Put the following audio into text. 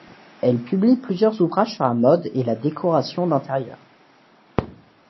Elle publie plusieurs ouvrages sur la mode et la décoration d'intérieur.